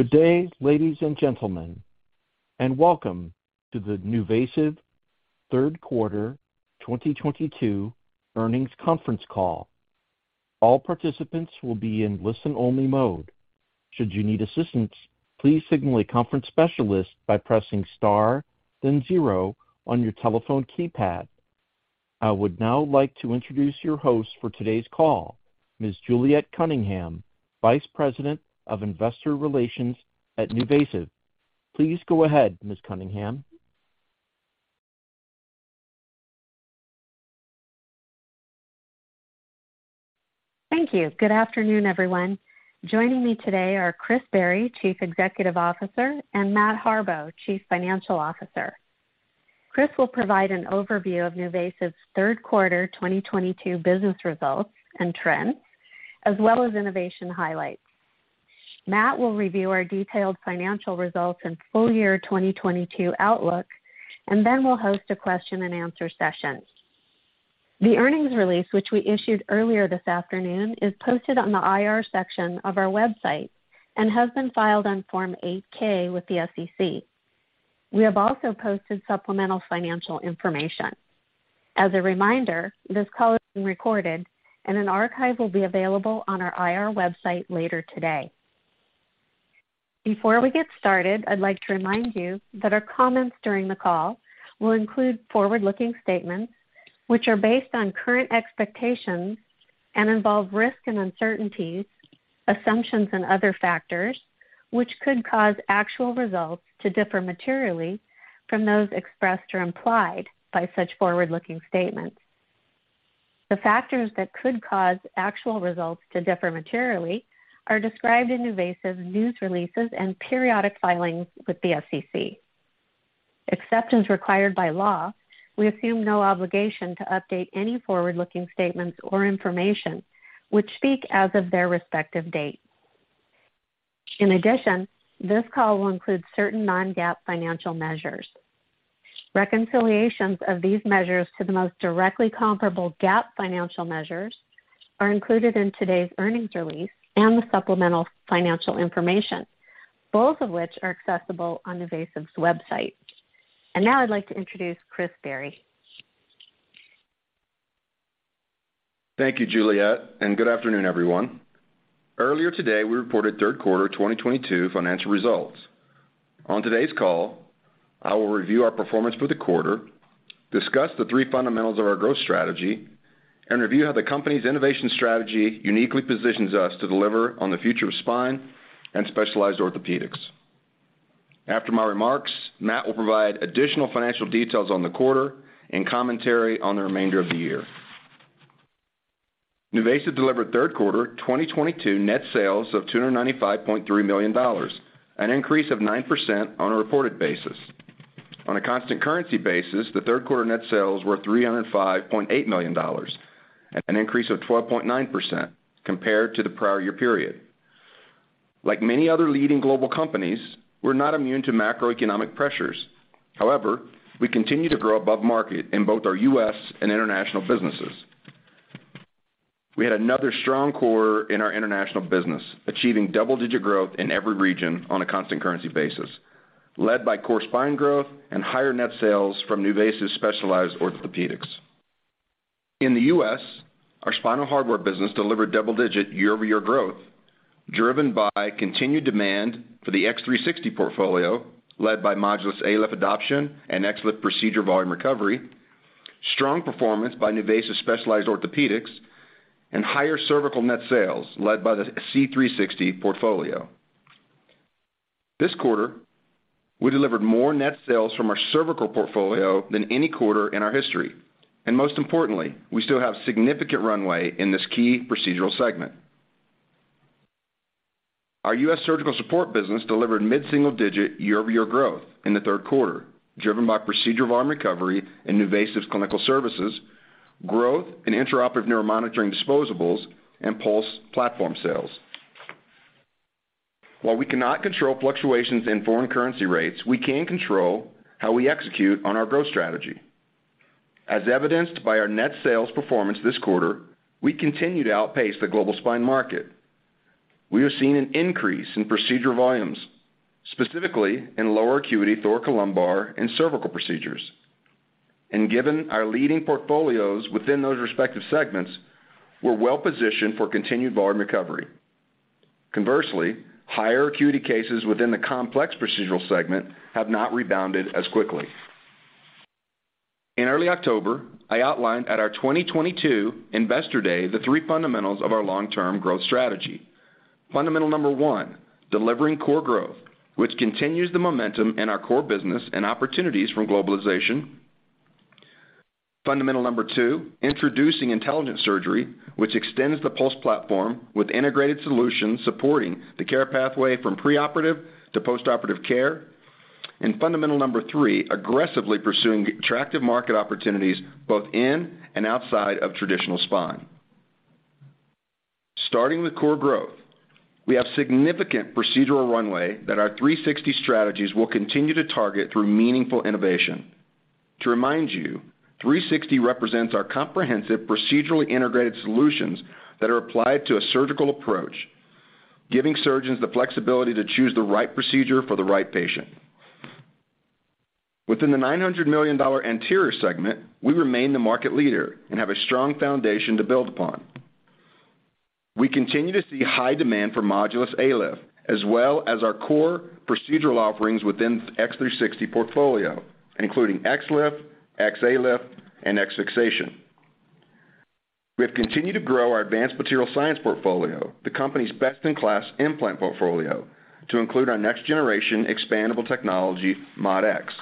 Good day, ladies and gentlemen, and welcome to the NuVasive Third Quarter 2022 Earnings Conference Call. All participants will be in listen-only mode. Should you need assistance, please signal a conference specialist by pressing Star, then zero on your telephone keypad. I would now like to introduce your host for today's call, Ms. Juliet Cunningham, Vice President of Investor Relations at NuVasive. Please go ahead, Ms. Cunningham. Thank you. Good afternoon, everyone. Joining me today are Chris Barry, Chief Executive Officer, and Matt Harbaugh, Chief Financial Officer. Chris will provide an overview of NuVasive's third quarter 2022 business results and trends, as well as innovation highlights. Matt will review our detailed financial results and full year 2022 outlook, and then we'll host a question-and-answer session. The earnings release, which we issued earlier this afternoon, is posted on the IR section of our website and has been filed on Form 8-K with the SEC. We have also posted supplemental financial information. As a reminder, this call is being recorded and an archive will be available on our IR website later today. Before we get started, I'd like to remind you that our comments during the call will include forward-looking statements which are based on current expectations and involve risks and uncertainties, assumptions and other factors which could cause actual results to differ materially from those expressed or implied by such forward-looking statements. The factors that could cause actual results to differ materially are described in NuVasive's news releases and periodic filings with the SEC. Except as required by law, we assume no obligation to update any forward-looking statements or information which speak as of their respective date. In addition, this call will include certain non-GAAP financial measures. Reconciliations of these measures to the most directly comparable GAAP financial measures are included in today's earnings release and the supplemental financial information, both of which are accessible on NuVasive's website. Now I'd like to introduce Chris Barry. Thank you, Juliet, and good afternoon, everyone. Earlier today, we reported third quarter 2022 financial results. On today's call, I will review our performance for the quarter, discuss the three fundamentals of our growth strategy, and review how the company's innovation strategy uniquely positions us to deliver on the future of spine and specialized orthopedics. After my remarks, Matt will provide additional financial details on the quarter and commentary on the remainder of the year. NuVasive delivered third quarter 2022 net sales of $295.3 million, an increase of 9% on a reported basis. On a constant currency basis, the third quarter net sales were $305.8 million, an increase of 12.9% compared to the prior year period. Like many other leading global companies, we're not immune to macroeconomic pressures. However, we continue to grow above market in both our U.S. and international businesses. We had another strong quarter in our international business, achieving double-digit growth in every region on a constant currency basis, led by core spine growth and higher net sales from NuVasive Specialized Orthopedics. In the U.S., our spinal hardware business delivered double-digit year-over-year growth, driven by continued demand for the X360 portfolio, led by Modulus ALIF adoption and XLIF procedure volume recovery, strong performance by NuVasive Specialized Orthopedics, and higher cervical net sales led by the C360 portfolio. This quarter, we delivered more net sales from our cervical portfolio than any quarter in our history. Most importantly, we still have significant runway in this key procedural segment. Our U.S. surgical support business delivered mid-single-digit year-over-year growth in the third quarter, driven by procedure volume recovery in NuVasive's clinical services, growth in intraoperative neuro monitoring disposables and Pulse platform sales. While we cannot control fluctuations in foreign currency rates, we can control how we execute on our growth strategy. As evidenced by our net sales performance this quarter, we continue to outpace the global spine market. We have seen an increase in procedure volumes, specifically in lower acuity thoracolumbar and cervical procedures. Given our leading portfolios within those respective segments, we're well positioned for continued volume recovery. Conversely, higher acuity cases within the complex procedural segment have not rebounded as quickly. In early October, I outlined at our 2022 Investor Day the three fundamentals of our long-term growth strategy. Fundamental 1, delivering core growth, which continues the momentum in our core business and opportunities from globalization. Fundamental 2, introducing intelligent surgery, which extends the Pulse platform with integrated solutions supporting the care pathway from preoperative to postoperative care. Fundamental 3, aggressively pursuing attractive market opportunities both in and outside of traditional spine. Starting with core growth, we have significant procedural runway that our 360 strategies will continue to target through meaningful innovation. To remind you, 360 represents our comprehensive procedurally integrated solutions that are applied to a surgical approach, giving surgeons the flexibility to choose the right procedure for the right patient. Within the $900 million anterior segment, we remain the market leader and have a strong foundation to build upon. We continue to see high demand for Modulus ALIF as well as our core procedural offerings within X360 portfolio, including XLIF, XALIF, and X-Fixation. We have continued to grow our Advanced Material Science portfolio, the company's best-in-class implant portfolio, to include our next-generation expandable technology, MOD-EX.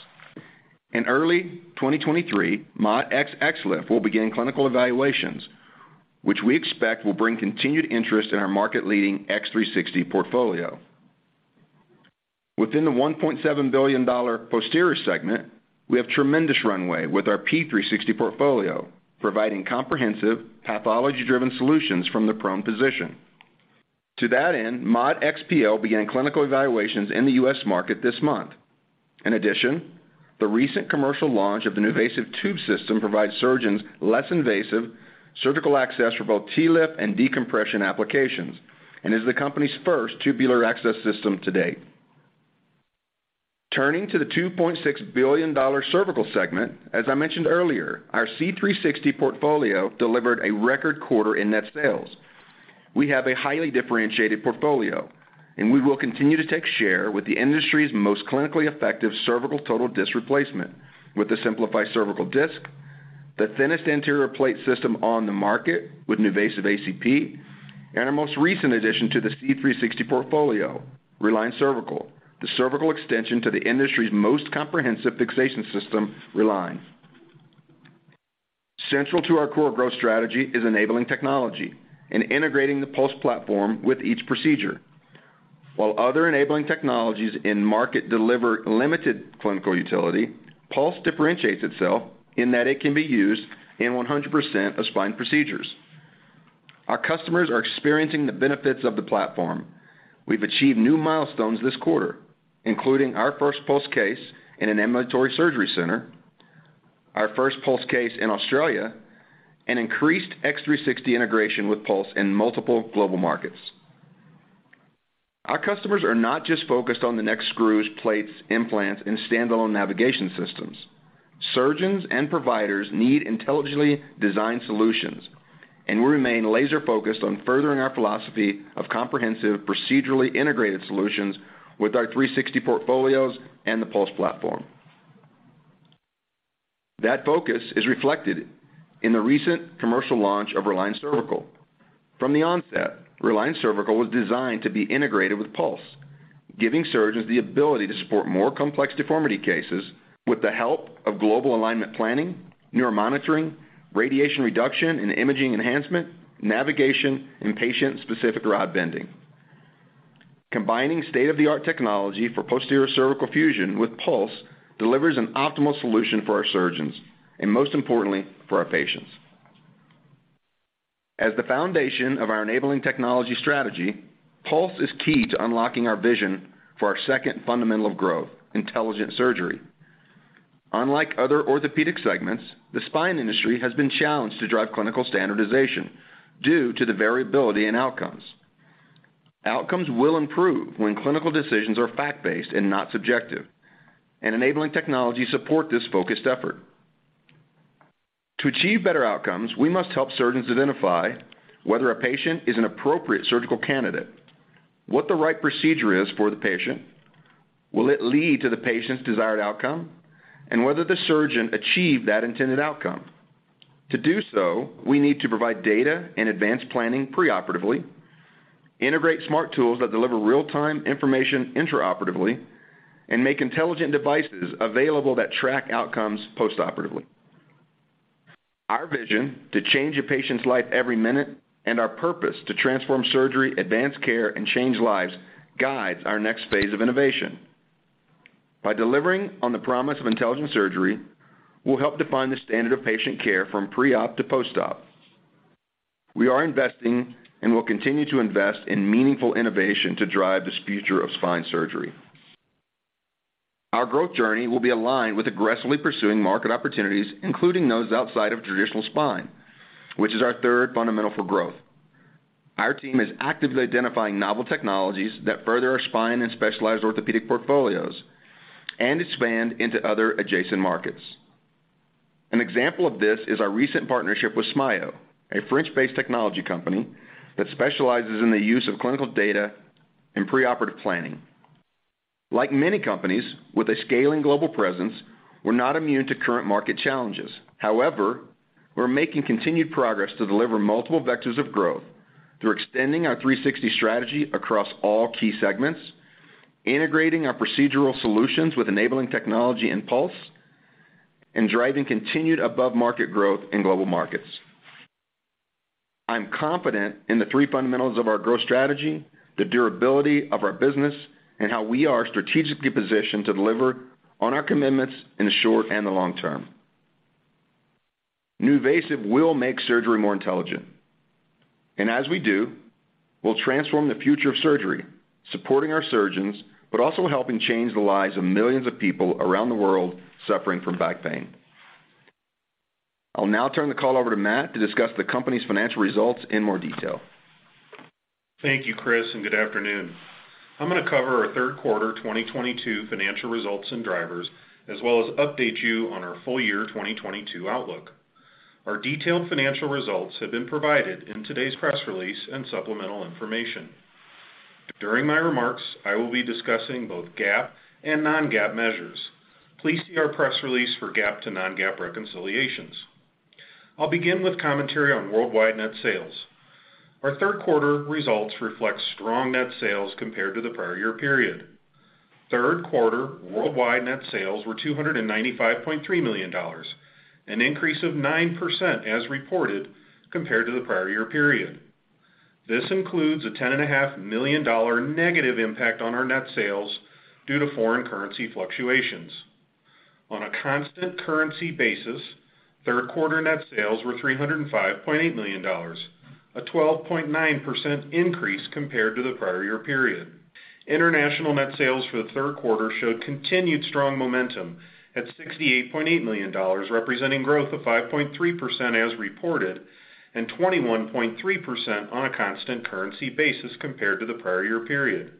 In early 2023, MOD-EX XLIF will begin clinical evaluations, which we expect will bring continued interest in our market-leading X360 portfolio. Within the $1.7 billion posterior segment, we have tremendous runway with our P360 portfolio, providing comprehensive pathology-driven solutions from the prone position. To that end, MOD-EX PL began clinical evaluations in the U.S. market this month. In addition, the recent commercial launch of the NuVasive Tube System provides surgeons less invasive surgical access for both TLIF and decompression applications, and is the company's first tubular access system to date. Turning to the $2.6 billion cervical segment, as I mentioned earlier, our C360 portfolio delivered a record quarter in net sales. We have a highly differentiated portfolio, and we will continue to take share with the industry's most clinically effective cervical total disc replacement with the Simplify Cervical Disc, the thinnest anterior plate system on the market with NuVasive ACP, and our most recent addition to the C360 portfolio, Reline Cervical, the cervical extension to the industry's most comprehensive fixation system, Reline. Central to our core growth strategy is enabling technology and integrating the Pulse platform with each procedure. While other enabling technologies in market deliver limited clinical utility, Pulse differentiates itself in that it can be used in 100% of spine procedures. Our customers are experiencing the benefits of the platform. We've achieved new milestones this quarter, including our first Pulse case in an ambulatory surgery center, our first Pulse case in Australia, and increased X360 integration with Pulse in multiple global markets. Our customers are not just focused on the next screws, plates, implants, and standalone navigation systems. Surgeons and providers need intelligently designed solutions, and we remain laser-focused on furthering our philosophy of comprehensive procedurally integrated solutions with our 360 portfolios and the Pulse platform. That focus is reflected in the recent commercial launch of Reline Cervical. From the onset, Reline Cervical was designed to be integrated with Pulse, giving surgeons the ability to support more complex deformity cases with the help of global alignment planning, neuromonitoring, radiation reduction and imaging enhancement, navigation, and patient-specific rod bending. Combining state-of-the-art technology for posterior cervical fusion with Pulse delivers an optimal solution for our surgeons and, most importantly, for our patients. As the foundation of our enabling technology strategy, Pulse is key to unlocking our vision for our second fundamental of growth, intelligent surgery. Unlike other orthopedic segments, the spine industry has been challenged to drive clinical standardization due to the variability in outcomes. Outcomes will improve when clinical decisions are fact-based and not subjective, and enabling technology support this focused effort. To achieve better outcomes, we must help surgeons identify whether a patient is an appropriate surgical candidate, what the right procedure is for the patient, will it lead to the patient's desired outcome, and whether the surgeon achieved that intended outcome. To do so, we need to provide data and advanced planning preoperatively, integrate smart tools that deliver real-time information intraoperatively, and make intelligent devices available that track outcomes postoperatively. Our vision to change a patient's life every minute and our purpose to transform surgery, advance care, and change lives guides our next phase of innovation. By delivering on the promise of intelligent surgery, we'll help define the standard of patient care from pre-op to post-op. We are investing and will continue to invest in meaningful innovation to drive this future of spine surgery. Our growth journey will be aligned with aggressively pursuing market opportunities, including those outside of traditional spine, which is our third fundamental for growth. Our team is actively identifying novel technologies that further our spine and specialized orthopedic portfolios and expand into other adjacent markets. An example of this is our recent partnership with SMAIO, a French-based technology company that specializes in the use of clinical data in preoperative planning. Like many companies with a scaling global presence, we're not immune to current market challenges. However, we're making continued progress to deliver multiple vectors of growth through extending our 360 strategy across all key segments, integrating our procedural solutions with enabling technology in Pulse, and driving continued above-market growth in global markets. I'm confident in the three fundamentals of our growth strategy, the durability of our business, and how we are strategically positioned to deliver on our commitments in the short and the long term. NuVasive will make surgery more intelligent, and as we do, we'll transform the future of surgery, supporting our surgeons, but also helping change the lives of millions of people around the world suffering from back pain. I'll now turn the call over to Matt to discuss the company's financial results in more detail. Thank you, Chris, and good afternoon. I'm gonna cover our third quarter 2022 financial results and drivers, as well as update you on our full year 2022 outlook. Our detailed financial results have been provided in today's press release and supplemental information. During my remarks, I will be discussing both GAAP and non-GAAP measures. Please see our press release for GAAP to non-GAAP reconciliations. I'll begin with commentary on worldwide net sales. Our third quarter results reflect strong net sales compared to the prior year period. Third quarter worldwide net sales were $295.3 million, an increase of 9% as reported compared to the prior year period. This includes a $10.5 million negative impact on our net sales due to foreign currency fluctuations. On a constant currency basis, third quarter net sales were $305.8 million, a 12.9% increase compared to the prior year period. International net sales for the third quarter showed continued strong momentum at $68.8 million, representing growth of 5.3% as reported, and 21.3% on a constant currency basis compared to the prior year period.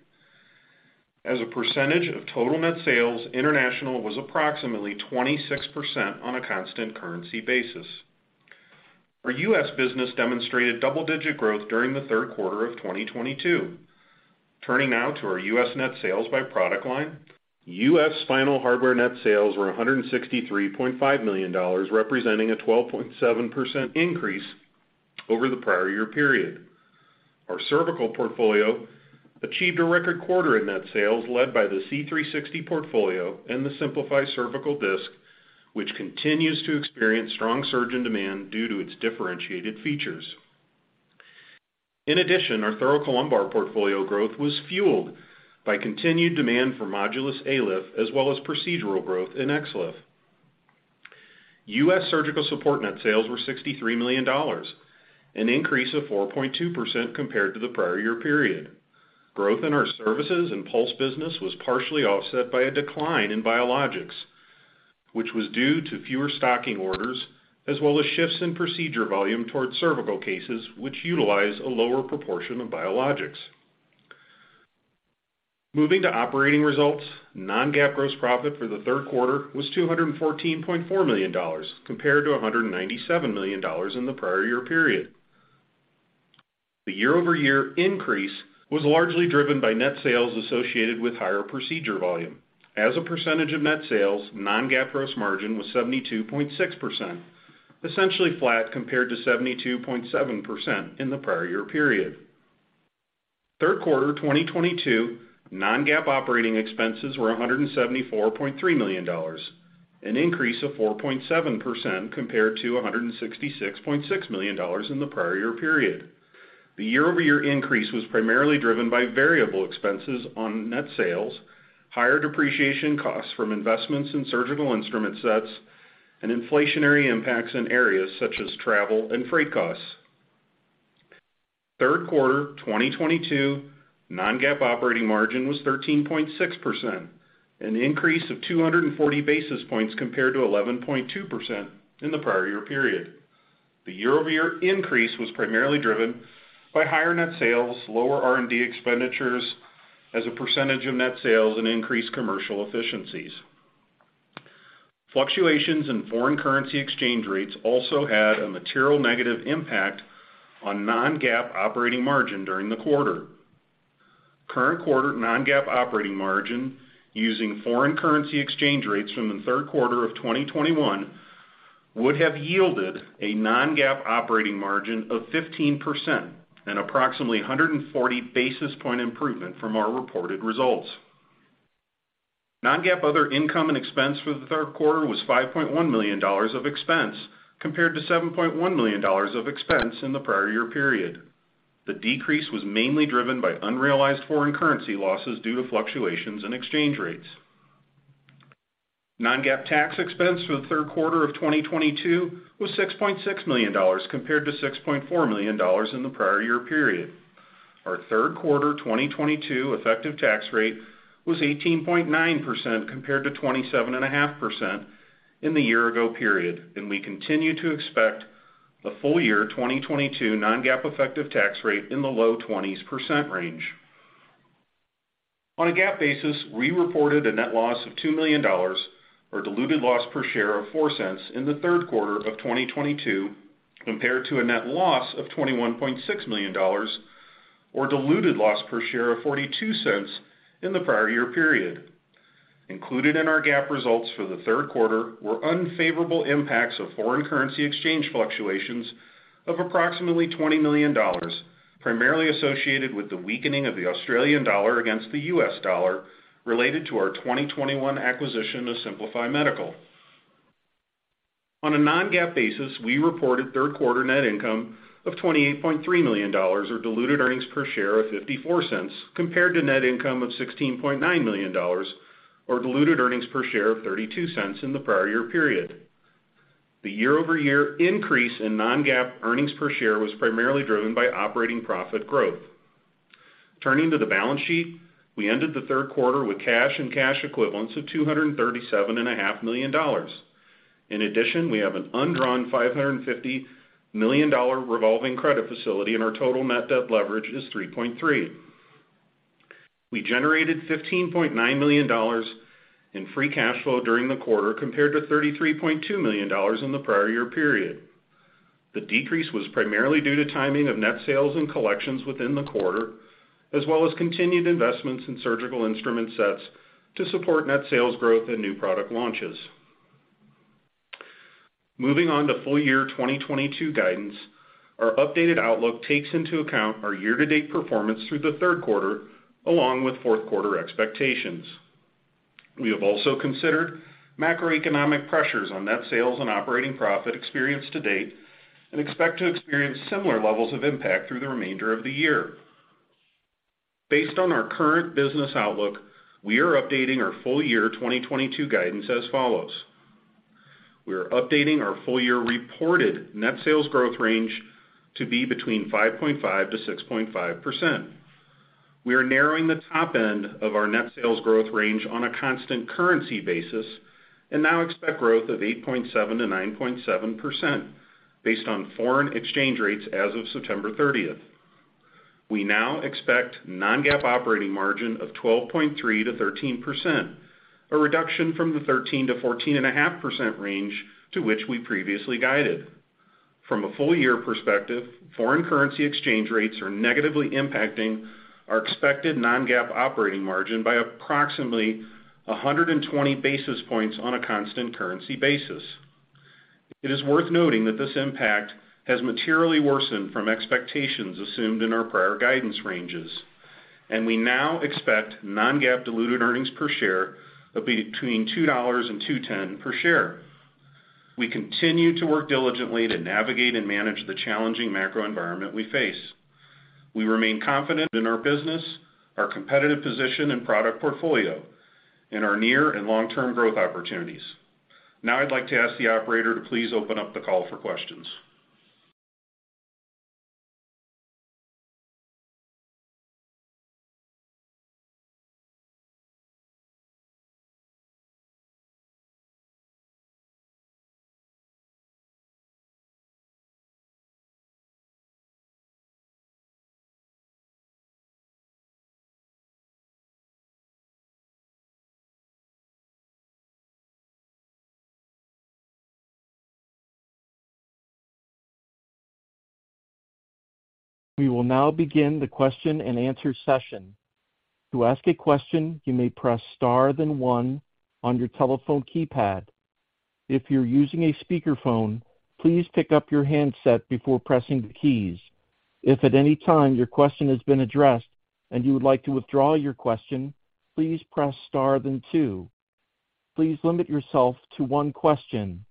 As a percentage of total net sales, international was approximately 26% on a constant currency basis. Our U.S. business demonstrated double-digit growth during the third quarter of 2022. Turning now to our U.S. net sales by product line. U.S. final hardware net sales were $163.5 million, representing a 12.7% increase over the prior year period. Our cervical portfolio achieved a record quarter in net sales led by the C360 portfolio and the Simplify Cervical Disc, which continues to experience strong surgeon demand due to its differentiated features. In addition, our thoracolumbar portfolio growth was fueled by continued demand for Modulus ALIF as well as procedural growth in XLIF. U.S. Surgical support net sales were $63 million, an increase of 4.2% compared to the prior year period. Growth in our services and Pulse business was partially offset by a decline in biologics, which was due to fewer stocking orders as well as shifts in procedure volume towards cervical cases, which utilize a lower proportion of biologics. Moving to operating results, non-GAAP gross profit for the third quarter was $214.4 million, compared to $197 million in the prior year period. The year-over-year increase was largely driven by net sales associated with higher procedure volume. As a percentage of net sales, non-GAAP gross margin was 72.6%, essentially flat compared to 72.7% in the prior year period. Third quarter 2022 non-GAAP operating expenses were $174.3 million, an increase of 4.7% compared to $166.6 million in the prior year period. The year-over-year increase was primarily driven by variable expenses on net sales, higher depreciation costs from investments in surgical instrument sets, and inflationary impacts in areas such as travel and freight costs. Third quarter 2022 non-GAAP operating margin was 13.6%, an increase of 240 basis points compared to 11.2% in the prior year period. The year-over-year increase was primarily driven by higher net sales, lower R&D expenditures as a percentage of net sales, and increased commercial efficiencies. Fluctuations in foreign currency exchange rates also had a material negative impact on non-GAAP operating margin during the quarter. Current quarter non-GAAP operating margin using foreign currency exchange rates from the third quarter of 2021 would have yielded a non-GAAP operating margin of 15% and approximately 140 basis point improvement from our reported results. Non-GAAP other income and expense for the third quarter was $5.1 million of expense, compared to $7.1 million of expense in the prior year period. The decrease was mainly driven by unrealized foreign currency losses due to fluctuations in exchange rates. Non-GAAP tax expense for the third quarter of 2022 was $6.6 million, compared to $6.4 million in the prior year period. Our third quarter 2022 effective tax rate was 18.9%, compared to 27.5% in the year ago period, and we continue to expect the full year 2022 non-GAAP effective tax rate in the low 20s% range. On a GAAP basis, we reported a net loss of $2 million or diluted loss per share of $0.04 in the third quarter of 2022, compared to a net loss of $21.6 million or diluted loss per share of $0.42 in the prior year period. Included in our GAAP results for the third quarter were unfavorable impacts of foreign currency exchange fluctuations of approximately $20 million, primarily associated with the weakening of the Australian dollar against the U.S. dollar related to our 2021 acquisition of Simplify Medical. On a non-GAAP basis, we reported third quarter net income of $28.3 million or diluted earnings per share of $0.54 compared to net income of $16.9 million or diluted earnings per share of $0.32 in the prior year period. The year-over-year increase in non-GAAP earnings per share was primarily driven by operating profit growth. Turning to the balance sheet, we ended the third quarter with cash and cash equivalents of $237.5 million. In addition, we have an undrawn $550 million revolving credit facility, and our total net debt leverage is 3.3. We generated $15.9 million in free cash flow during the quarter compared to $33.2 million in the prior year period. The decrease was primarily due to timing of net sales and collections within the quarter, as well as continued investments in surgical instrument sets to support net sales growth and new product launches. Moving on to full year 2022 guidance, our updated outlook takes into account our year-to-date performance through the third quarter, along with fourth quarter expectations. We have also considered macroeconomic pressures on net sales and operating profit experienced to date and expect to experience similar levels of impact through the remainder of the year. Based on our current business outlook, we are updating our full year 2022 guidance. We are updating our full year reported net sales growth range to be between 5.5%-6.5%. We are narrowing the top end of our net sales growth range on a constant currency basis, and now expect growth of 8.7%-9.7% based on foreign exchange rates as of September thirtieth. We now expect non-GAAP operating margin of 12.3%-13%, a reduction from the 13%-14.5% range to which we previously guided. From a full year perspective, foreign currency exchange rates are negatively impacting our expected non-GAAP operating margin by approximately 120 basis points on a constant currency basis. It is worth noting that this impact has materially worsened from expectations assumed in our prior guidance ranges, and we now expect non-GAAP diluted earnings per share of between $2.00 and $2.10 per share. We continue to work diligently to navigate and manage the challenging macro environment we face. We remain confident in our business, our competitive position and product portfolio, and our near and long-term growth opportunities. Now I'd like to ask the operator to please open up the call for questions. We will now begin the question-and-answer session. To ask a question, you may press star, then one on your telephone keypad. If you're using a speakerphone, please pick up your handset before pressing the keys. If at any time your question has been addressed and you would like to withdraw your question, please press star then two. Please limit yourself to one question.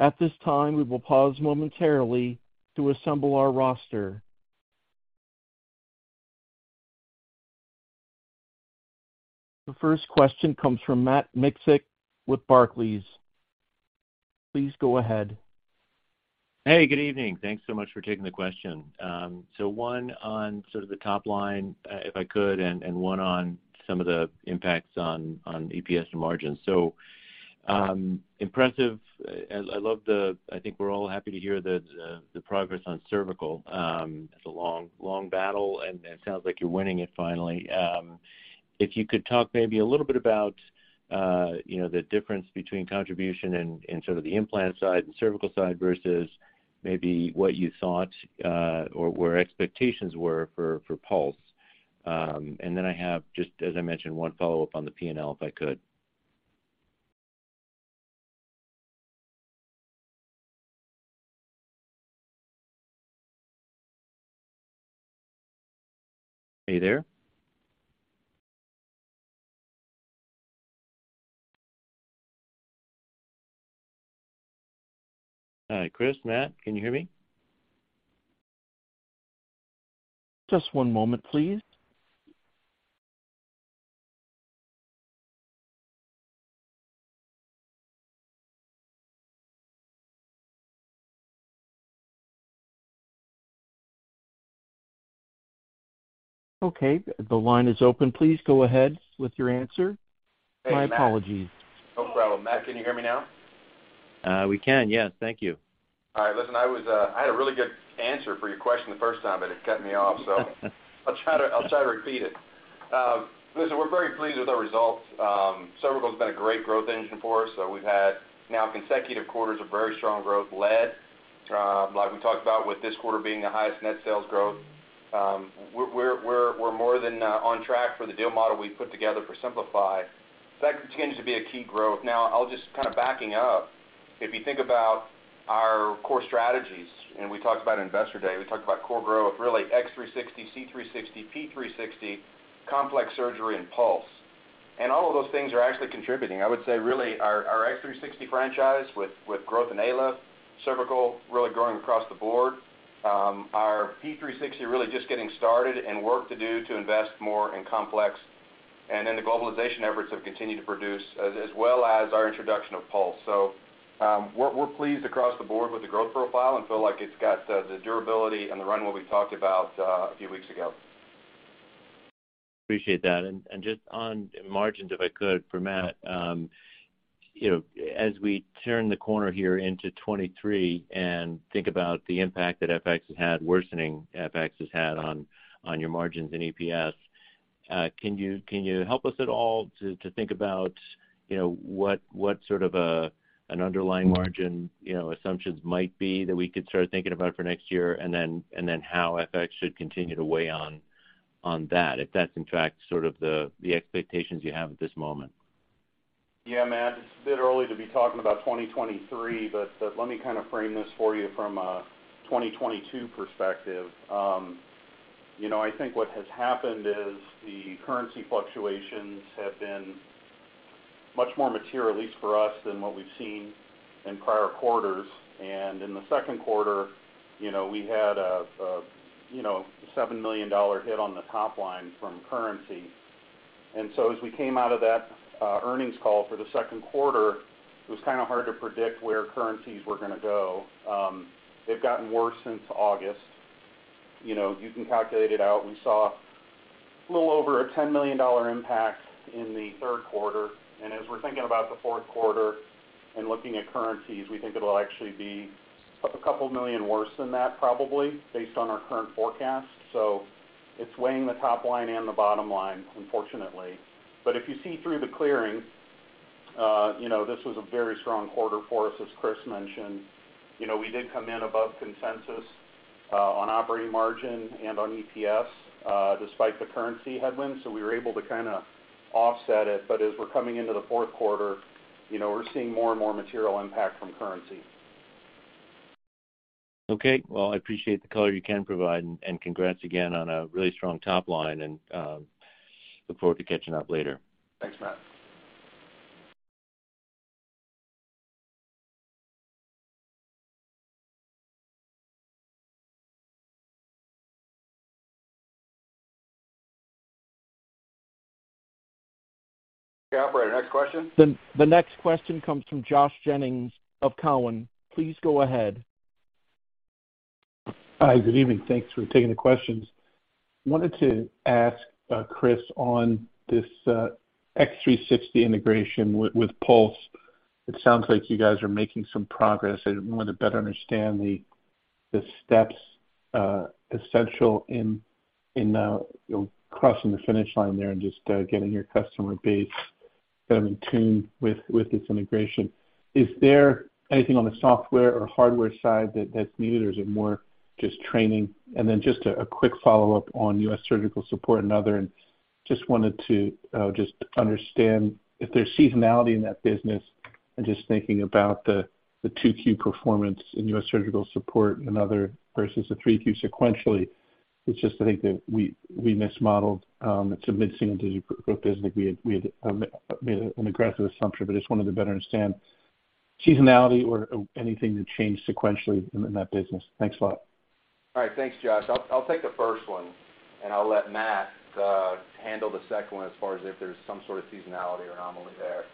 At this time, we will pause momentarily to assemble our roster. The first question comes from Matt Miksic with Barclays. Please go ahead. Hey, good evening. Thanks so much for taking the question. One on sort of the top line, if I could, and one on some of the impacts on EPS and margins. Impressive. I think we're all happy to hear the progress on cervical. It's a long battle, and it sounds like you're winning it finally. If you could talk maybe a little bit about, you know, the difference between contribution and sort of the implant side and cervical side versus maybe what you thought, or where expectations were for Pulse. Then I have, just as I mentioned, one follow-up on the P&L, if I could. Are you there? Chris, Matt, can you hear me? Just one moment, please. Okay, the line is open. Please go ahead with your answer. My apologies. No problem. Matt, can you hear me now? We can, yes. Thank you. All right. Listen, I was, I had a really good answer for your question the first time, but it cut me off. I'll try to repeat it. Listen, we're very pleased with our results. Cervical has been a great growth engine for us. We've had two consecutive quarters of very strong growth led, like we talked about with this quarter being the highest net sales growth. We're more than on track for the deal model we've put together for Simplify. That continues to be a key growth. Now, I'll just kind of backing up. If you think about our core strategies, we talked about Investor Day, we talked about core growth, really X360, C360, P360, complex surgery and Pulse. All of those things are actually contributing. I would say really our X360 franchise with growth in ALIF, cervical really growing across the board. Our P360 really just getting started and work to do to invest more in complex. The globalization efforts have continued to produce as well as our introduction of Pulse. We're pleased across the board with the growth profile and feel like it's got the durability and the runway we talked about a few weeks ago. Appreciate that. Just on margins, if I could, for Matt. You know, as we turn the corner here into 2023 and think about the impact that FX has had, worsening FX has had on your margins and EPS, can you help us at all to think about, you know, what sort of an underlying margin, you know, assumptions might be that we could start thinking about for next year? And then how FX should continue to weigh on that, if that's in fact sort of the expectations you have at this moment. Yeah, Matt, it's a bit early to be talking about 2023, but let me kind of frame this for you from a 2022 perspective. You know, I think what has happened is the currency fluctuations have been much more material, at least for us, than what we've seen in prior quarters. In the second quarter, you know, we had a $7 million hit on the top line from currency. As we came out of that earnings call for the second quarter, it was kind of hard to predict where currencies were gonna go. They've gotten worse since August. You know, you can calculate it out. We saw a little over a $10 million impact in the third quarter. As we're thinking about the fourth quarter and looking at currencies, we think it'll actually be $2 million worse than that probably based on our current forecast. It's weighing the top line and the bottom line, unfortunately. If you see through the clearing, you know, this was a very strong quarter for us, as Chris mentioned. You know, we did come in above consensus on operating margin and on EPS despite the currency headwinds, so we were able to kind of offset it. As we're coming into the fourth quarter, you know, we're seeing more and more material impact from currency. Okay. Well, I appreciate the color you can provide and congrats again on a really strong top line and look forward to catching up later. Thanks, Matt. Operator, next question. The next question comes from Josh Jennings of Cowen. Please go ahead. Hi. Good evening. Thanks for taking the questions. Wanted to ask, Chris on this, X360 integration with Pulse. It sounds like you guys are making some progress. I wanted to better understand the steps essential in you know, crossing the finish line there and just getting your customer base kind of in tune with this integration. Is there anything on the software or hardware side that's new, or is it more just training? Then just a quick follow-up on U.S. Surgical Support and other. Just wanted to understand if there's seasonality in that business and just thinking about the 2Q performance in U.S. Surgical Support and other versus the 3Q sequentially. It's just, I think that we mismodeled. It's a misc group business. We had made an aggressive assumption, but just wanted to better understand seasonality or anything that changed sequentially in that business. Thanks a lot. All right. Thanks, Josh. I'll take the first one, and I'll let Matt handle the second one as far as if there's some sort of seasonality or anomaly there.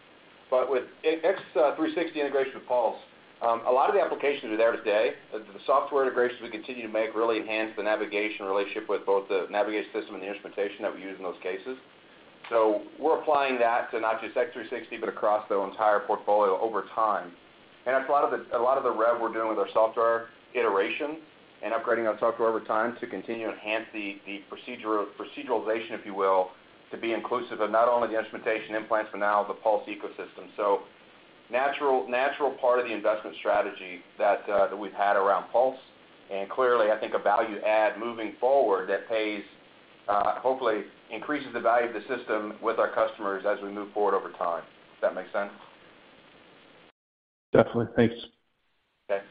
With X360 integration with Pulse, a lot of the applications are there today. The software integrations we continue to make really enhance the navigation relationship with both the navigation system and the instrumentation that we use in those cases. We're applying that to not just X360 but across the entire portfolio over time. That's a lot of the rev we're doing with our software iteration and upgrading our software over time to continue to enhance the proceduralization, if you will, to be inclusive of not only the instrumentation implants but now the Pulse ecosystem. Natural part of the investment strategy that we've had around Pulse, and clearly, I think a value add moving forward that pays, hopefully increases the value of the system with our customers as we move forward over time. Does that make sense? Definitely. Thanks. Okay.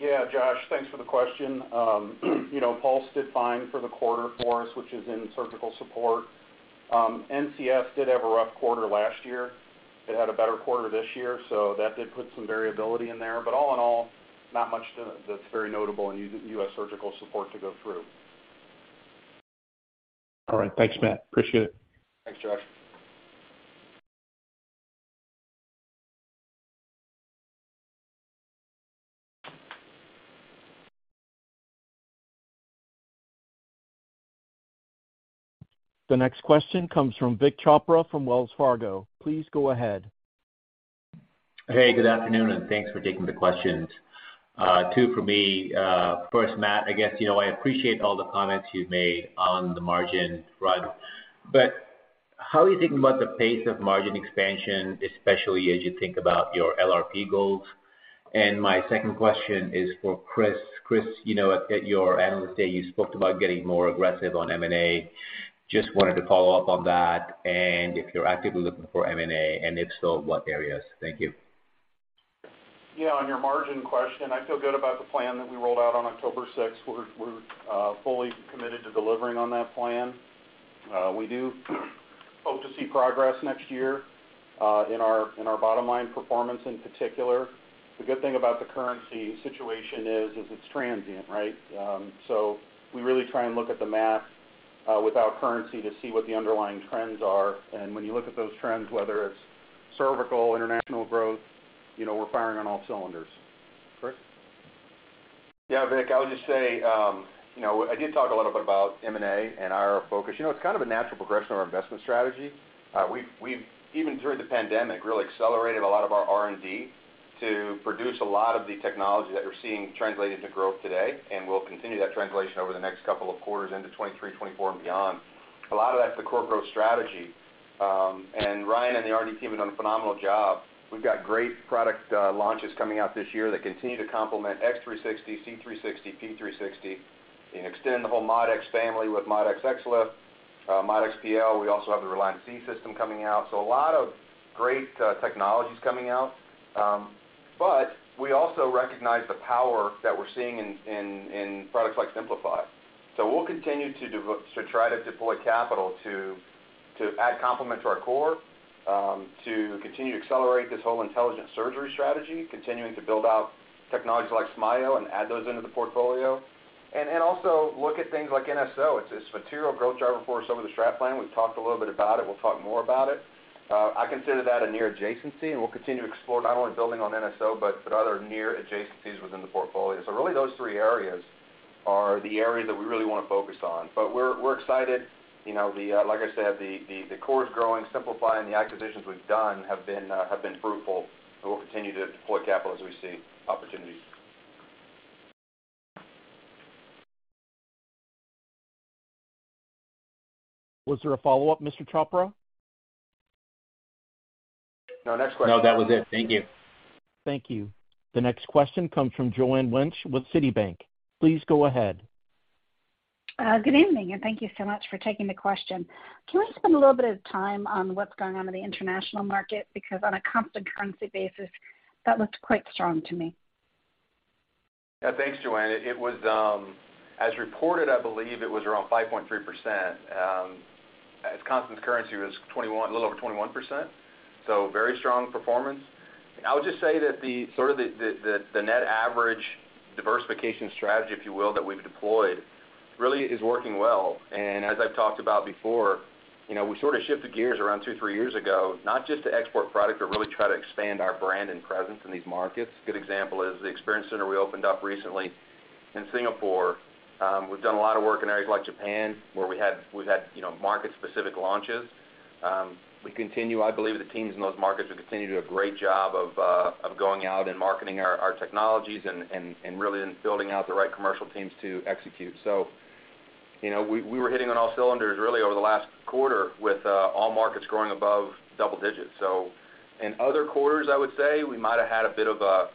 Yeah, Josh, thanks for the question. You know, Pulse did fine for the quarter for us, which is in surgical support. NCS did have a rough quarter last year. It had a better quarter this year, so that did put some variability in there. But all in all, not much that's very notable in U.S. Surgical Support to go through. All right. Thanks, Matt. Appreciate it. Thanks, Josh. The next question comes from Vik Chopra from Wells Fargo. Please go ahead. Hey, good afternoon, and thanks for taking the questions. Two for me. First, Matt, I guess, you know, I appreciate all the comments you've made on the margin run. But how are you thinking about the pace of margin expansion, especially as you think about your LRP goals? My second question is for Chris. Chris, you know, at your Analyst Day, you spoke about getting more aggressive on M&A. Just wanted to follow up on that and if you're actively looking for M&A, and if so, what areas? Thank you. Yeah, on your margin question, I feel good about the plan that we rolled out on October sixth. We're fully committed to delivering on that plan. We do hope to see progress next year in our bottom line performance in particular. The good thing about the currency situation is it's transient, right? We really try and look at the math without currency to see what the underlying trends are. When you look at those trends, whether it's cervical, international growth, you know, we're firing on all cylinders. Chris? Yeah, Vik, I would just say, you know, I did talk a little bit about M&A and our focus. You know, it's kind of a natural progression of our investment strategy. We've even through the pandemic, really accelerated a lot of our R&D to produce a lot of the technology that we're seeing translated into growth today. We'll continue that translation over the next couple of quarters into 2023, 2024 and beyond. A lot of that's the core growth strategy. Ryan and the R&D team have done a phenomenal job. We've got great product launches coming out this year that continue to complement X360, C360, P360, and extend the whole MOD-EX family with Modulus XLIF, MOD-EX PL. We also have the Reline Z system coming out. A lot of great technologies coming out. We also recognize the power that we're seeing in products like Simplify. We'll continue to try to deploy capital to add complement to our core, to continue to accelerate this whole intelligent surgery strategy, continuing to build out technologies like SMAIO and add those into the portfolio. Also look at things like NSO. It's material growth driver for us over the strategic plan. We've talked a little bit about it. We'll talk more about it. I consider that a near adjacency, and we'll continue to explore not only building on NSO, but other near adjacencies within the portfolio. Really those three areas are the areas that we really want to focus on. We're excited. You know, like I said, the core is growing. Simplify and the acquisitions we've done have been fruitful, and we'll continue to deploy capital as we see opportunities. Was there a follow-up, Mr. Chopra? No, next question. No, that was it. Thank you. Thank you. The next question comes from Joanne Wuensch with Citibank. Please go ahead. Good evening, and thank you so much for taking the question. Can we spend a little bit of time on what's going on in the international market? Because on a constant currency basis, that looked quite strong to me. Yeah. Thanks, Joanne. It was, as reported, I believe it was around 5.3%. As constant currency was a little over 21%, so very strong performance. I would just say that the sort of net average diversification strategy, if you will, that we've deployed really is working well. As I've talked about before, you know, we sort of shifted gears around two, three years ago, not just to export product, but really try to expand our brand and presence in these markets. Good example is the experience center we opened up recently in Singapore. We've done a lot of work in areas like Japan, where we've had, you know, market specific launches. I believe the teams in those markets will continue to do a great job of going out and marketing our technologies and really in building out the right commercial teams to execute. You know, we were hitting on all cylinders really over the last quarter with all markets growing above double digits. In other quarters, I would say we might have had a bit of a,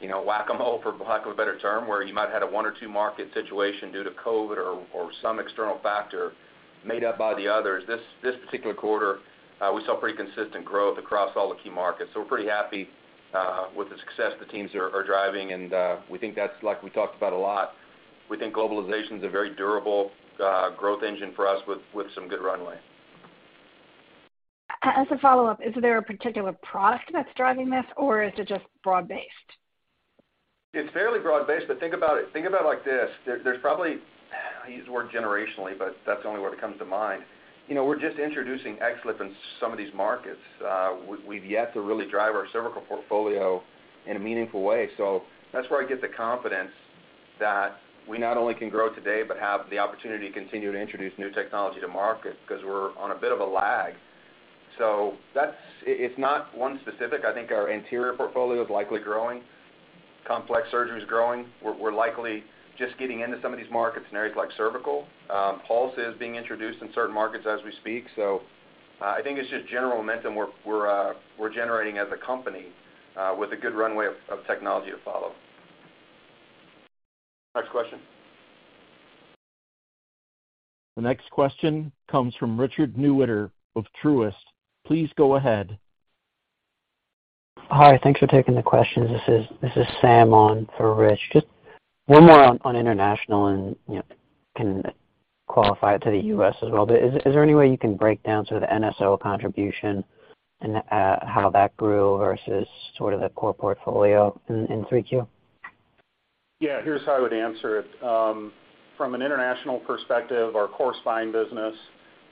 you know, whack-a-mole, for lack of a better term, where you might had a one or two market situation due to COVID or some external factor made up by the others. This particular quarter, we saw pretty consistent growth across all the key markets. We're pretty happy with the success the teams are driving. We think that's like we talked about a lot. We think globalization is a very durable growth engine for us with some good runway. As a follow-up, is there a particular product that's driving this or is it just broad-based? It's fairly broad-based, but think about it like this. There's probably I use the word generationally, but that's only what comes to mind. You know, we're just introducing XLIF in some of these markets. We've yet to really drive our cervical portfolio in a meaningful way. That's where I get the confidence that we not only can grow today, but have the opportunity to continue to introduce new technology to market because we're on a bit of a lag. That's it's not one specific. I think our anterior portfolio is likely growing. Complex surgery is growing. We're likely just getting into some of these markets in areas like cervical. Pulse is being introduced in certain markets as we speak. I think it's just general momentum we're generating as a company, with a good runway of technology to follow. Next question. The next question comes from Richard Newitter of Truist. Please go ahead. Hi. Thanks for taking the questions. This is Sam on for Rich. Just one more on international and, you know, can qualify it to the U.S. as well. Is there any way you can break down sort of the NSO contribution and how that grew versus sort of the core portfolio in 3Q? Yeah, here's how I would answer it. From an international perspective, our core spine business,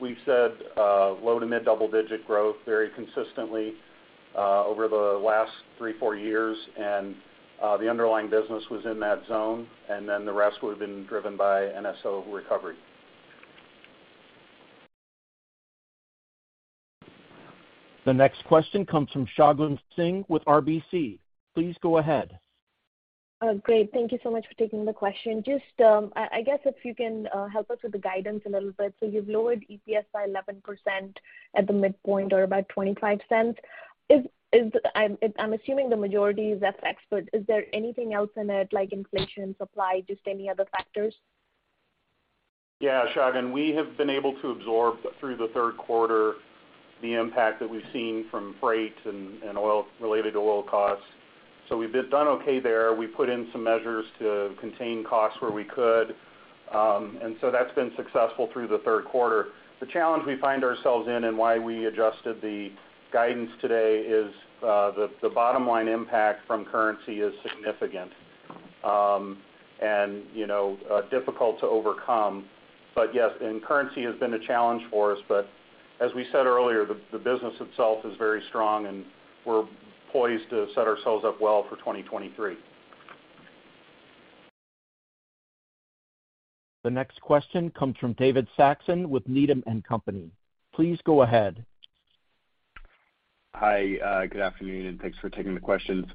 we've said, low- to mid-double-digit growth very consistently, over the last 3-4 years. The underlying business was in that zone, and then the rest would have been driven by NSO recovery. The next question comes from Shagun Singh with RBC. Please go ahead. Great. Thank you so much for taking the question. Just, I guess if you can help us with the guidance a little bit. You've lowered EPS by 11% at the midpoint or about $0.25. I'm assuming the majority is FX, but is there anything else in it like inflation, supply, just any other factors? Yeah, Shagun, we have been able to absorb through the third quarter the impact that we've seen from freight and oil-related costs. We've done okay there. We put in some measures to contain costs where we could. That's been successful through the third quarter. The challenge we find ourselves in and why we adjusted the guidance today is the bottom-line impact from currency is significant, and you know, difficult to overcome. Yes, currency has been a challenge for us, but as we said earlier, the business itself is very strong, and we're poised to set ourselves up well for 2023. The next question comes from David Saxon with Needham & Company. Please go ahead. Hi, good afternoon, and thanks for taking the questions.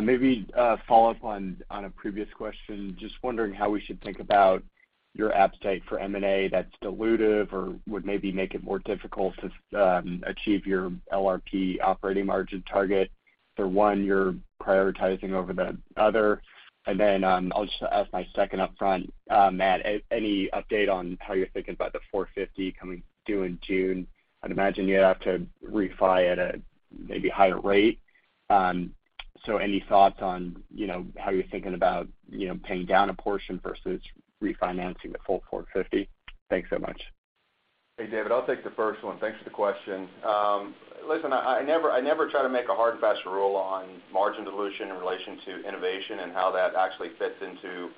Maybe follow up on a previous question. Just wondering how we should think about your appetite for M&A that's dilutive or would maybe make it more difficult to achieve your LRP operating margin target. For one, you're prioritizing over the other. I'll just ask my second upfront, Matt, any update on how you're thinking about the $450 coming due in June? I'd imagine you'd have to refi at a maybe higher rate. Any thoughts on, you know, how you're thinking about, you know, paying down a portion versus refinancing the full $450? Thanks so much. Hey, David. I'll take the first one. Thanks for the question. Listen, I never try to make a hard and fast rule on margin dilution in relation to innovation and how that actually fits into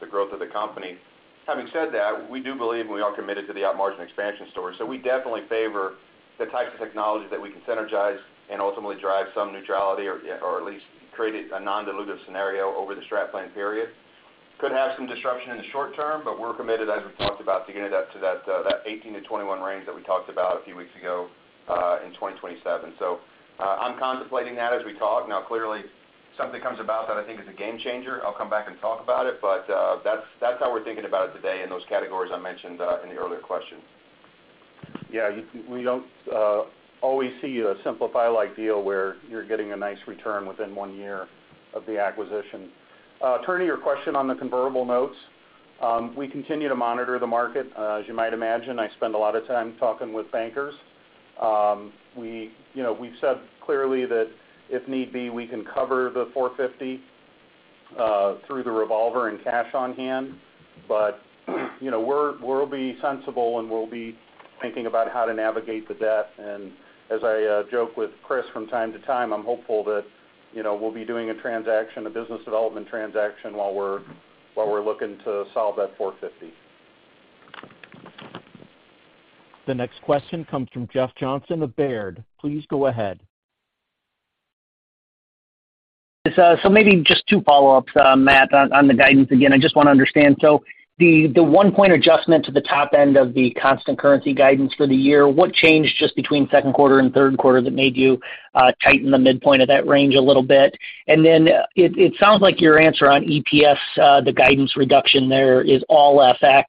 the growth of the company. Having said that, we do believe and we are committed to the op margin expansion story. We definitely favor the types of technologies that we can synergize and ultimately drive some neutrality or at least create a non-dilutive scenario over the strategic plan period. Could have some disruption in the short term, but we're committed, as we talked about, to get it up to that 18%-21% range that we talked about a few weeks ago in 2027. I'm contemplating that as we talk. Now, clearly, something comes about that I think is a game changer, I'll come back and talk about it. That's how we're thinking about it today in those categories I mentioned in the earlier question. Yeah, we don't always see a Simplify-like deal where you're getting a nice return within 1 year of the acquisition. Turning to your question on the convertible notes, we continue to monitor the market. As you might imagine, I spend a lot of time talking with bankers. We, you know, we've said clearly that if need be, we can cover the $450 million through the revolver and cash on hand. You know, we're, we'll be sensible, and we'll be thinking about how to navigate the debt. As I joke with Chris from time to time, I'm hopeful that, you know, we'll be doing a transaction, a business development transaction while we're looking to solve that $450 million. The next question comes from Jeff Johnson of Baird. Please go ahead. Maybe just two follow-ups, Matt, on the guidance. Again, I just wanna understand. The 1 point adjustment to the top end of the constant currency guidance for the year, what changed just between second quarter and third quarter that made you tighten the midpoint of that range a little bit? Then it sounds like your answer on EPS, the guidance reduction there is all FX.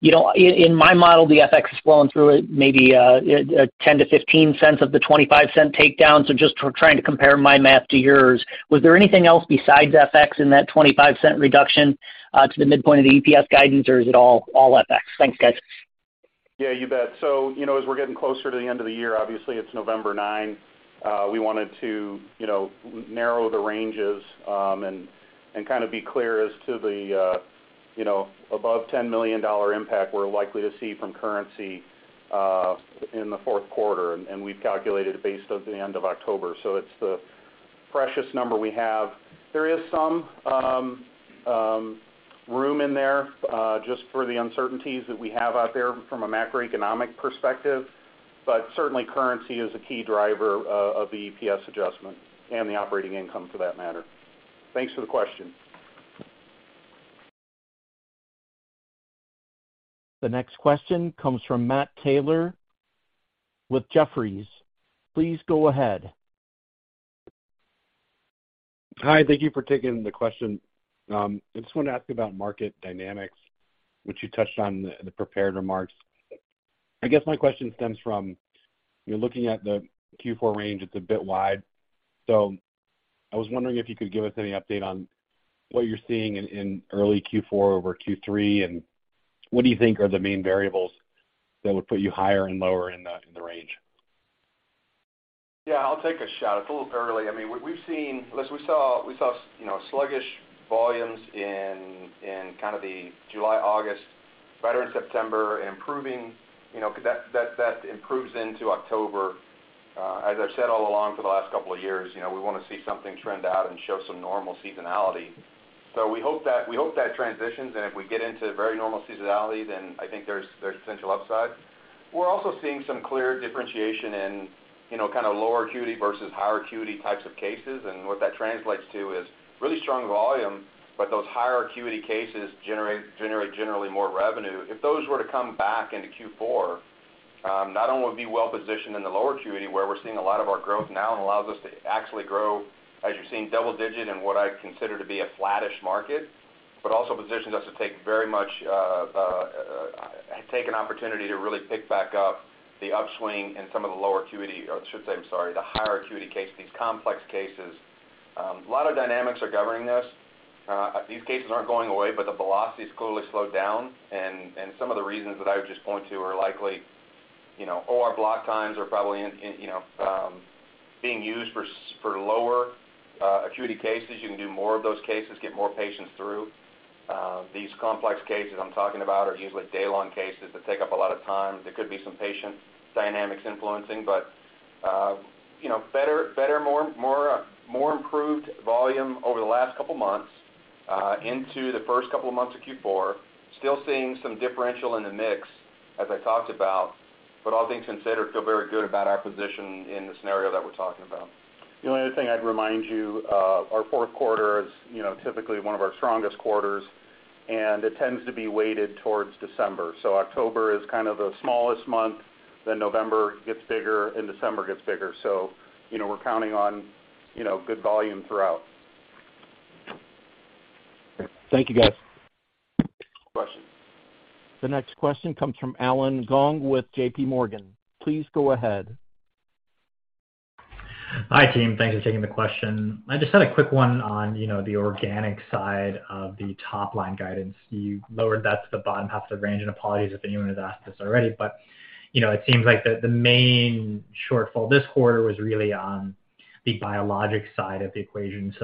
You know, in my model, the FX has flown through at maybe $0.10-$0.15 of the $0.25 takedown, so just trying to compare my math to yours. Was there anything else besides FX in that $0.25 reduction to the midpoint of the EPS guidance, or is it all FX? Thanks, guys. Yeah, you bet. You know, as we're getting closer to the end of the year, obviously it's November 9, we wanted to, you know, narrow the ranges, and kind of be clear as to the, you know, above $10 million impact we're likely to see from currency, in the fourth quarter, and we've calculated it based off the end of October. It's the freshest number we have. There is some room in there, just for the uncertainties that we have out there from a macroeconomic perspective. Certainly currency is a key driver of the EPS adjustment and the operating income for that matter. Thanks for the question. The next question comes from Matt Taylor with Jefferies. Please go ahead. Hi, thank you for taking the question. I just wanted to ask about market dynamics, which you touched on in the prepared remarks. I guess my question stems from you're looking at the Q4 range. It's a bit wide. I was wondering if you could give us any update on what you're seeing in early Q4 over Q3, and what do you think are the main variables that would put you higher and lower in the range? Yeah, I'll take a shot. It's a little early. I mean, we've seen. We saw, you know, sluggish volumes in kind of the July, August, better in September, improving, you know, that improves into October. As I've said all along for the last couple of years, you know, we wanna see something trend out and show some normal seasonality. We hope that transitions, and if we get into very normal seasonality, then I think there's potential upside. We're also seeing some clear differentiation in, you know, kind of lower acuity versus higher acuity types of cases, and what that translates to is really strong volume, but those higher acuity cases generate generally more revenue. If those were to come back into Q4, not only would we be well positioned in the lower acuity where we're seeing a lot of our growth now and allows us to actually grow, as you're seeing, double digit in what I consider to be a flattish market, but also positions us to take very much, take an opportunity to really pick back up the upswing in some of the lower acuity, or I should say, I'm sorry, the higher acuity case, these complex cases. A lot of dynamics are governing this. These cases aren't going away, but the velocity has clearly slowed down. Some of the reasons that I would just point to are likely, you know, OR block times are probably in, you know, being used for lower acuity cases. You can do more of those cases, get more patients through. These complex cases I'm talking about are usually day-long cases that take up a lot of time. There could be some patient dynamics influencing, but you know, better, more improved volume over the last couple months into the first couple of months of Q4. Still seeing some differential in the mix as I talked about, but all things considered, feel very good about our position in the scenario that we're talking about. The only other thing I'd remind you, our fourth quarter is, you know, typically one of our strongest quarters, and it tends to be weighted towards December. So October is kind of the smallest month, then November gets bigger, and December gets bigger. So you know, we're counting on good volume throughout. Thank you, guys. Question. The next question comes from Allen Gong with J.P. Morgan. Please go ahead. Hi, team. Thanks for taking the question. I just had a quick one on, you know, the organic side of the top-line guidance. You lowered that to the bottom half of the range, and apologies if anyone has asked this already. You know, it seems like the main shortfall this quarter was really on the biologic side of the equation.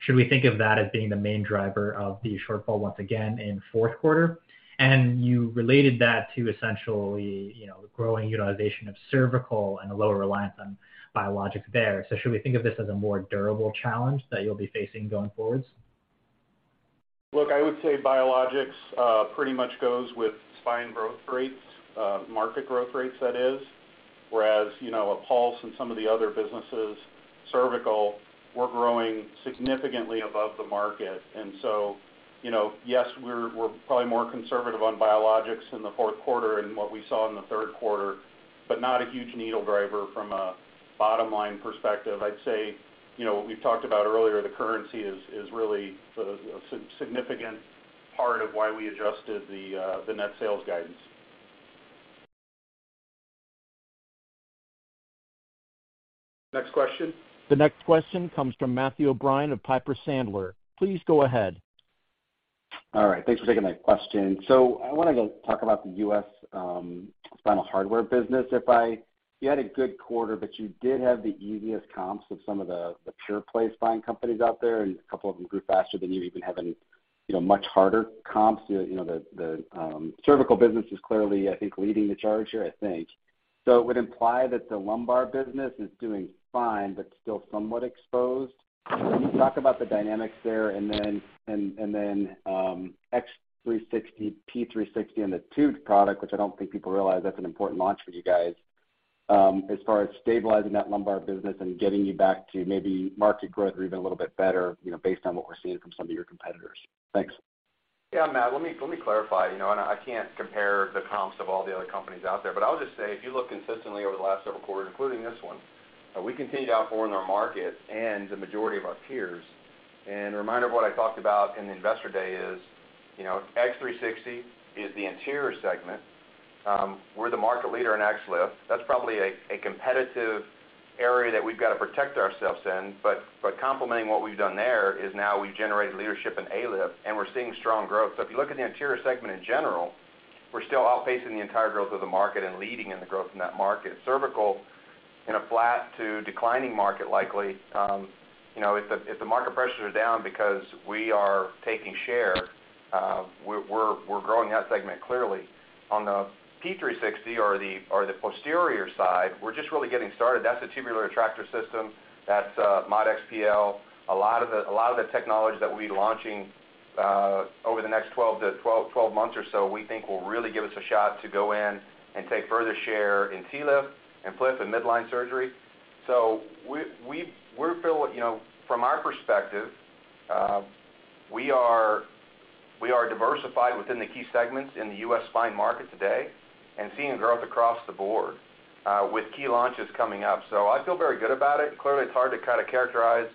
Should we think of that as being the main driver of the shortfall once again in fourth quarter? You related that to essentially, you know, the growing utilization of cervical and a lower reliance on biologics there. Should we think of this as a more durable challenge that you'll be facing going forward? Look, I would say biologics pretty much goes with spine growth rates, market growth rates that is, whereas, you know, Pulse in some of the other businesses, cervical, we're growing significantly above the market. You know, yes, we're probably more conservative on biologics in the fourth quarter and what we saw in the third quarter, but not a huge needle mover from a bottom-line perspective. I'd say, you know, what we've talked about earlier, the currency is really the significant part of why we adjusted the net sales guidance. Next question. The next question comes from Matthew O'Brien of Piper Sandler. Please go ahead. All right. Thanks for taking my question. I wanted to talk about the U.S. spinal hardware business. You had a good quarter, but you did have the easiest comps of some of the pure play spine companies out there, and a couple of them grew faster than you even having, you know, much harder comps. You know, the cervical business is clearly, I think, leading the charge here, I think. It would imply that the lumbar business is doing fine but still somewhat exposed. Can you talk about the dynamics there and then X360, P360, and the tubed product, which I don't think people realize that's an important launch for you guys, as far as stabilizing that lumbar business and getting you back to maybe market growth or even a little bit better, you know, based on what we're seeing from some of your competitors. Thanks. Yeah, Matt, let me clarify. You know, I can't compare the comps of all the other companies out there. I'll just say if you look consistently over the last several quarters, including this one, we continue to outperform our market and the majority of our peers. A reminder of what I talked about in the Investor Day is, you know, X360 is the anterior segment. We're the market leader in XLIF. That's probably a competitive area that we've got to protect ourselves in. Complementing what we've done there is now we've generated leadership in ALIF, and we're seeing strong growth. If you look at the anterior segment in general, we're still outpacing the entire growth of the market and leading in the growth in that market. Cervical in a flat to declining market likely, you know, if the market pressures are down because we are taking share, we're growing that segment clearly. On the P360 or the posterior side, we're just really getting started. That's a tubular retractor system. That's MOD-EX PL. A lot of the technology that we'll be launching over the next 12 months or so, we think will really give us a shot to go in and take further share in TLIF and PLIF and midline surgery. You know, from our perspective, we are diversified within the key segments in the U.S. spine market today and seeing growth across the board with key launches coming up. I feel very good about it. Clearly, it's hard to kind of characterize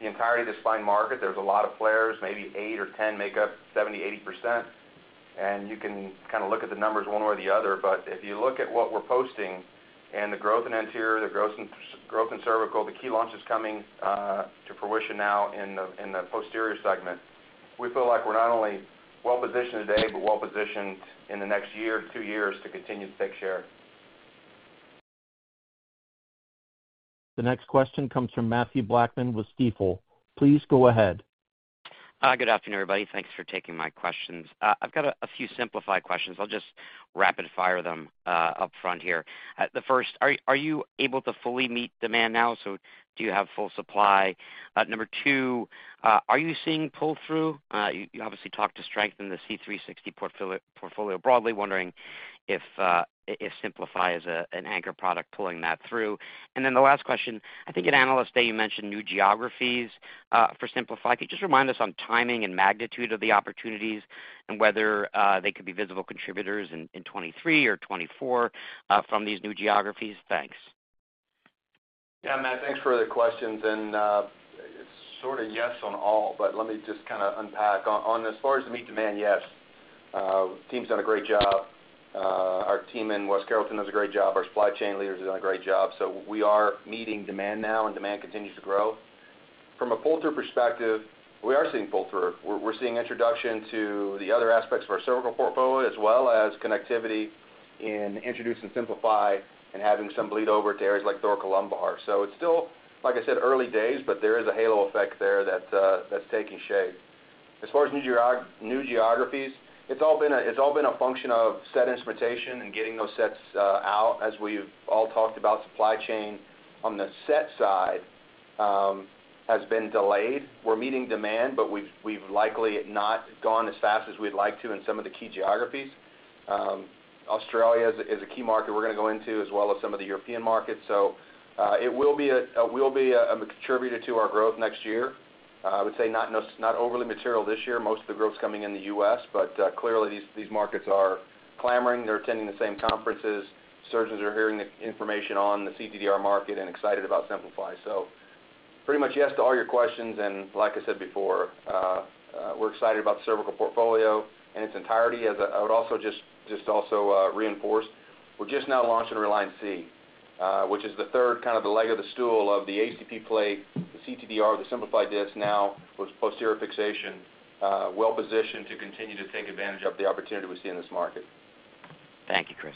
the entirety of the spine market. There's a lot of players, maybe 8 or 10 make up 70%-80%. You can kind of look at the numbers one way or the other. If you look at what we're posting and the growth in anterior, the growth in cervical, the key launches coming to fruition now in the posterior segment, we feel like we're not only well positioned today but well positioned in the next year or two years to continue to take share. The next question comes from Mathew Blackman with Stifel. Please go ahead. Good afternoon, everybody. Thanks for taking my questions. I've got a few Simplify questions. I'll just rapid fire them up front here. The first, are you able to fully meet demand now? So do you have full supply? Number two, are you seeing pull-through? You obviously talked to strength in the C360 portfolio broadly, wondering if Simplify is an anchor product pulling that through. Then the last question, I think at Analyst Day, you mentioned new geographies for Simplify. Could you just remind us on timing and magnitude of the opportunities and whether they could be visible contributors in 2023 or 2024 from these new geographies? Thanks. Yeah, Matt, thanks for the questions. Sort of yes on all, but let me just kind of unpack. As far as meeting demand, yes, team's done a great job. Our team in West Carrollton does a great job. Our supply chain leaders are doing a great job. We are meeting demand now, and demand continues to grow. From a pull-through perspective, we are seeing pull-through. We're seeing introduction to the other aspects of our cervical portfolio, as well as connectivity in introduce and Simplify and having some bleed over to areas like thoracolumbar. It's still, like I said, early days, but there is a halo effect there that's taking shape. As far as new geographies, it's all been a function of set instrumentation and getting those sets out. As we've all talked about, supply chain on the set side has been delayed. We're meeting demand, but we've likely not gone as fast as we'd like to in some of the key geographies. Australia is a key market we're gonna go into as well as some of the European markets. It will be a contributor to our growth next year. I would say not overly material this year. Most of the growth is coming in the U.S., but clearly these markets are clamoring. They're attending the same conferences. Surgeons are hearing the information on the CTDR market and excited about Simplify. Pretty much yes to all your questions, and like I said before, we're excited about the cervical portfolio in its entirety. As I would also just also reinforce, we're just now launching Reline C, which is the third leg of the stool of the ACP plate, the CTDR, the Simplify Disc now with posterior fixation, well positioned to continue to take advantage of the opportunity we see in this market. Thank you, Chris.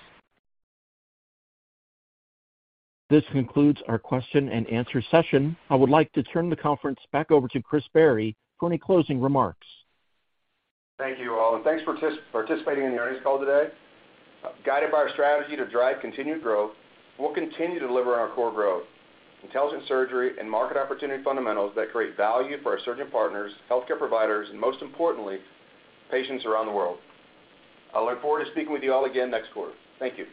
This concludes our question-and-answer session. I would like to turn the conference back over to Chris Barry for any closing remarks. Thank you all, and thanks participating in the earnings call today. Guided by our strategy to drive continued growth, we'll continue to deliver on our core growth, intelligent surgery and market opportunity fundamentals that create value for our surgeon partners, healthcare providers and most importantly, patients around the world. I look forward to speaking with you all again next quarter. Thank you.